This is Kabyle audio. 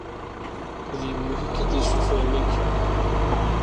D yemma-k i k-id-yessufɣen akka.